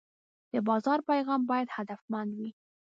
د بازار پیغام باید هدفمند وي.